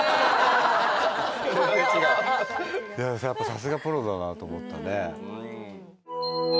やっぱさすがプロだなと思ったね。